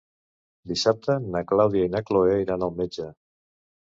Dissabte na Clàudia i na Cloè iran al metge.